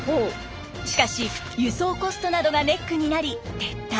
しかし輸送コストなどがネックになり撤退。